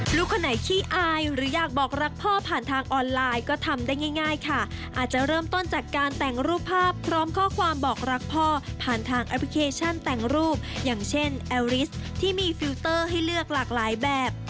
ลูกคนไหนขี้อายหรืออยากบอกรักพ่อผ่านทางออนไลน์ก็ทำได้ง่ายค่ะอาจจะเริ่มต้นจากการแต่งรูปภาพพร้อมข้อความบอกรักพ่อผ่านทางแอปพลิเคชันแต่งรูปอย่างเช่นแอลริสที่มีฟิลเตอร์ให้เลือกหลากหลายแบบ